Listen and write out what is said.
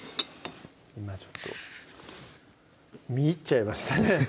今ちょっと見入っちゃいましたね